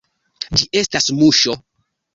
Ĝi estas muŝo.